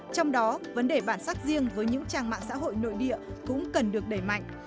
trong đó vấn đề bản sắc riêng với những trang mạng xã hội nội địa cũng cần được đẩy mạnh